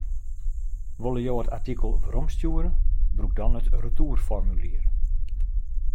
Wolle jo it artikel weromstjoere, brûk dan it retoerformulier.